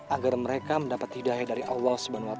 agar mereka mendapat hidayah dari allah swt